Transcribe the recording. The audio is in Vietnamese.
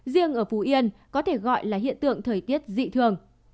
riêng ở phú yên có thể gọi là hiện tượng thời tiết dị thường